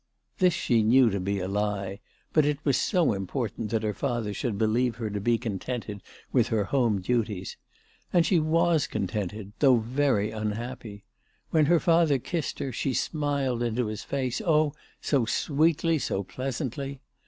This she knew to be a lie, but it was so important that her father should believe her to be contented with her home duties ! And she was contented, though very unhappy. When her father kissed her, she smiled into his face, oh, so sweetly, so pleasantly